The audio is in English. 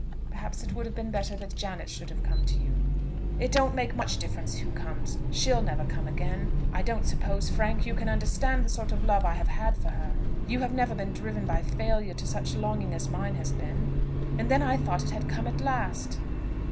"Perhaps it would have been better that Janet should have come to you." "It don't make much difference who comes. She'll never come again. I don't suppose, Frank, you can understand the sort of love I have had for her. You have never been driven by failure to such longing as mine has been. And then I thought it had come at last!"